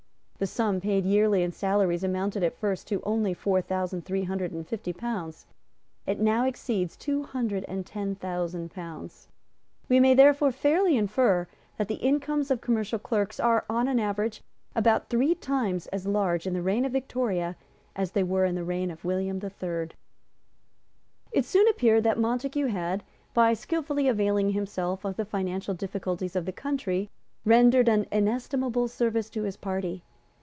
The sum paid yearly in salaries amounted at first to only four thousand three hundred and fifty pounds. It now exceeds two hundred and ten thousand pounds. We may therefore fairly infer that the incomes of commercial clerks are, on an average, about three times as large in the reign of Victoria as they were in the reign of William the Third. It soon appeared that Montague had, by skilfully availing himself of the financial difficulties of the country, rendered an inestimable service to his party.